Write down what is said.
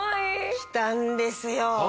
来たんですよ！